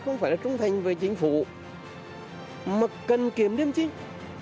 không phải là trung thành với chính phủ mà cần kiệm liêm chính